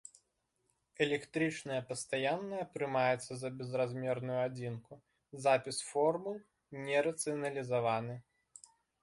Электрычная пастаянная прымаецца за безразмерную адзінку, запіс формул не рацыяналізаваны.